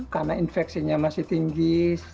karena infeksinya masih tinggi